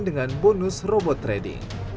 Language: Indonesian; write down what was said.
dengan bonus robot trading